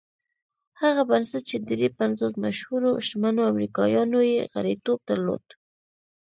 هغه بنسټ چې دري پنځوس مشهورو شتمنو امريکايانو يې غړيتوب درلود.